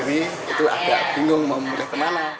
dari siswa sendiri itu agak bingung mau mudah kemana